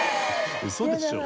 嘘でしょ？